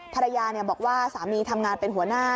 ภรรยาบอกว่าสามีทำงานเป็นหัวหน้า